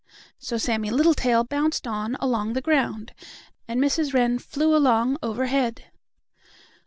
So Sammie Littletail bounced on along the ground, and Mrs. Wren flew along overhead.